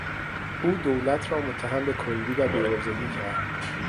او دولت را متهم به کندی و بیعرضگی کرد.